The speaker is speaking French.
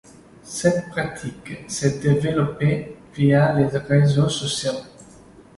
Cette pratique s'est développée via les réseaux sociaux.